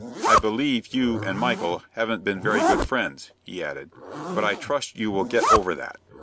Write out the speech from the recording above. "I believe you and Michael haven't been very good friends," he added; "but I trust you will get over that."